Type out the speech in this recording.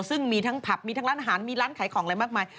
ซึ่งมีทั้งผับมีทั้งร้านอาหารมีร้านขายของอะไรมากมาย